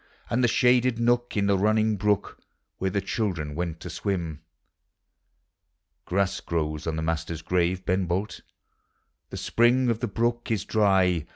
And the shaded nook in the running brook Where the children went to swim? Grass grows on the master's grave, Ben Bolt, The spring of the brook is dry.